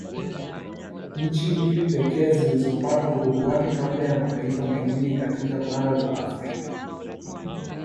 Nchi mbili pekee zilizopata uhuru wake kabla ya mataifa mengina katika bara la Afrika